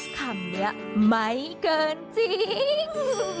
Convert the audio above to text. คำนี้ไม่เกินจริง